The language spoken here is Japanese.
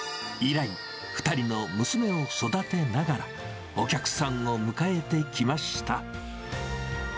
以来、２人の娘を育てながら、お客さんを迎えてきました。